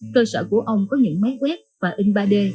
cơ sở của ông có những máy quét và in ba d